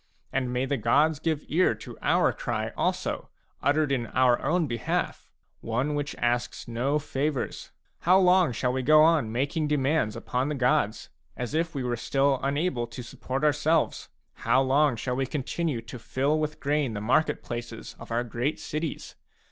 And may the gods give ear to our cry also, uttered in our own behalf, — one which asks no favours ! How long shall we go on making demands upon the gods, as if we were still unable to support ourselves ? How long shall we continue to fill with grain the market places of our great cities